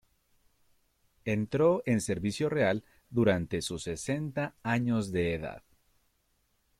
Entró en servicio real durante sus sesenta años de edad.